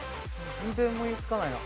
全然思いつかないな。